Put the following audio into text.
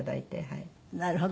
はい。